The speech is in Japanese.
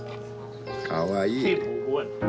かわいい。